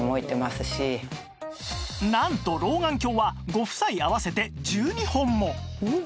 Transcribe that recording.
なんと老眼鏡はご夫妻合わせて１２本も！